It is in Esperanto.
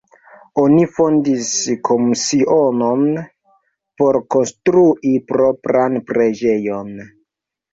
Oni fondis komisionon por konstrui propran preĝejon.